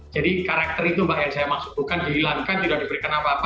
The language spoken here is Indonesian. jadi karakter itu yang saya maksud bukan dihilangkan tidak diberikan apa apa